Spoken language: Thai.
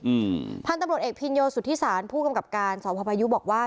อืมพันธุ์ตำรวจเอกพินโยสุธิศาลผู้กำกับการสอบพอพายุบอกว่า